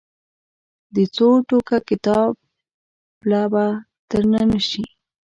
د څو ټوکه کتاب پله به درنه نه شي.